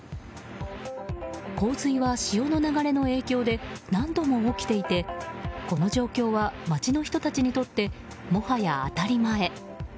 洪水は潮の流れの影響で何度も起きていてこの状況は町の人たちにとってもはや当たり前。